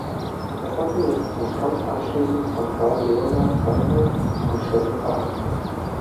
Er war zunächst von Kant, anschließend von Carl Leonhard Reinhold und Schelling beeinflusst.